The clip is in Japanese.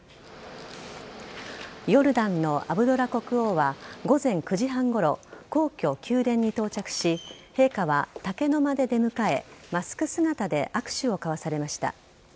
ヨルダンのアブドラ国王は午前９時半ごろ皇居・宮殿に到着し陛下は竹の間で出迎えマスク姿で握手をされました。